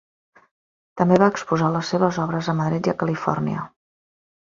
També va exposar les seves obres a Madrid i a Califòrnia.